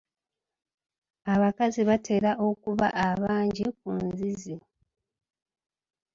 Abakazi batera okuba abangi ku nzizi.